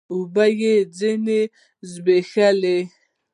اوبه يې ځيني و زبېښلې